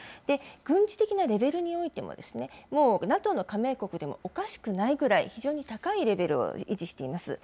軍事的なレベルにおいても、もうＮＡＴＯの加盟国でもおかしくないぐらい、非常に高いレベルを維持しています。